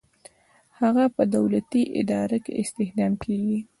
هغه په دولتي اداره کې استخدام کیږي.